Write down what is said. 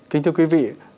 kính thưa quý vị